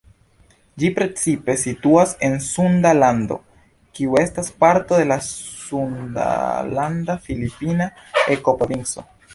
Ĝi precipe situas en Sunda Lando, kiu estas parto de la sundalanda-filipina ekoprovinco.